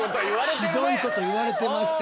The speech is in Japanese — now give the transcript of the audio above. ひどいこと言われてまして。